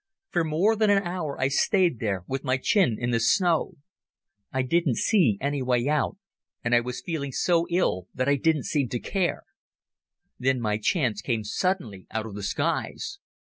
For more than an hour I stayed there with my chin in the snow. I didn't see any way out, and I was feeling so ill that I didn't seem to care. Then my chance came suddenly out of the skies.